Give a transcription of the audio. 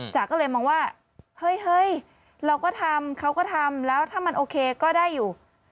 จ๋าก็เลยมองว่าเฮ้ยเราก็ทำเขาก็ทำแล้วถ้ามันโอเคก็ได้อยู่